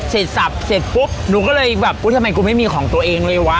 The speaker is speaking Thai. เสร็จสับเสร็จปุ๊บหนูก็เลยแบบอุ๊ยทำไมกูไม่มีของตัวเองเลยวะ